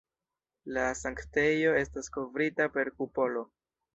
La sanktejo estas kovrita per kupolo.